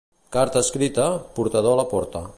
Carta escrita, portador la porta.